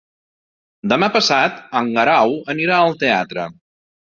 Demà passat en Guerau anirà al teatre.